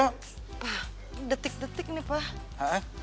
pak detik detik ini pak